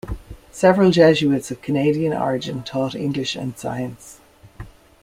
Several Jesuits of Canadian origin taught English and Science.